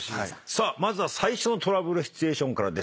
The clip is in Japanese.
まずは最初のトラブルシチュエーションからです。